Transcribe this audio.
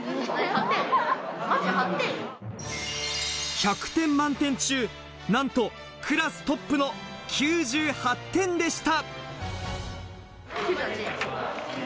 １００点満点中、なんとクラストップの９８点でした。